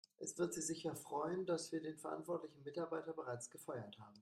Es wird Sie sicher freuen, dass wir den verantwortlichen Mitarbeiter bereits gefeuert haben.